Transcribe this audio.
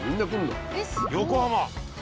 横浜。